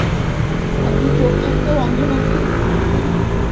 আপনি চোখ থাকতেও অন্ধ নাকি?